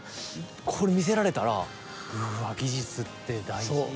これ見せられたらうわっ技術って大事って。